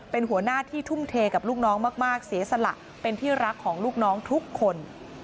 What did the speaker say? เป็นหัวหน้าที่ทุ่มเทกับลูกน้องมากเสียสละเป็นที่รักของลูกน้องทุกคน